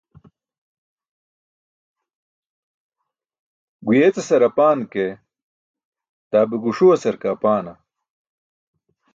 Guyeecasar apan ke, daa be guṣuwasar ke apaana?